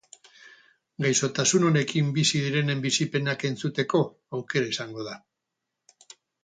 Gaixotasun honekin bizi direnen bizipenak entzuteko aukera izango da.